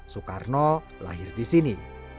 soekarno lahir di sini